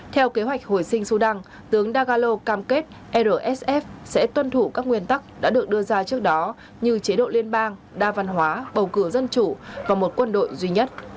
theo kế hoạch hồi sinh sudan tướng dagalo cam kết rsf sẽ tuân thủ các nguyên tắc đã được đưa ra trước đó như chế độ liên bang đa văn hóa bầu cửa dân chủ và một quân đội duy nhất